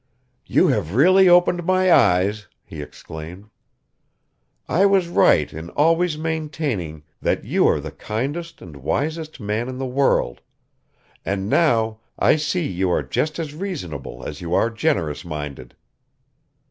"You have really opened my eyes," he exclaimed. "I was right in always maintaining that you are the kindest and wisest man in the world, and now I see you are just as reasonable as you are generous minded."